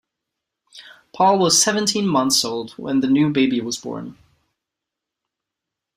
Paul was seventeen months old when the new baby was born.